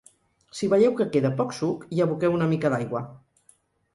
Si veieu que queda poc suc, hi aboqueu una mica d’aigua.